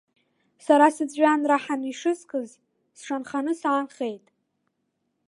Сара сыҵәҩан раҳаны ишыскыз, сшанханы саанхеит.